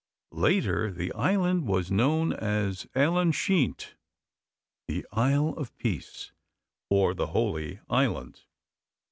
Later the island was known as Ellan Sheaynt, the Isle of Peace, or the Holy Island.